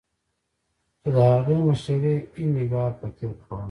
چې د هغې مشري اینیګار فقیر کوله.